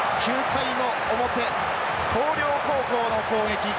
９回の表広陵高校の攻撃。